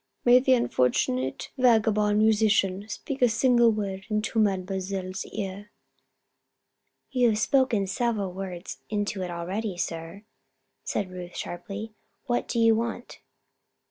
"May the unfortunate vagabond musician speak a single word into Mademoiselle's ear?" "You have spoken several words into it already, sir," said Ruth, sharply. "What do you want?"